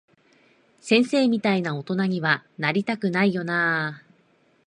先生みたいな大人には、なりたくないよなぁ。